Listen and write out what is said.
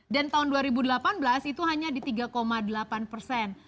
dan tahun dua ribu delapan belas itu hanya di tiga delapan persen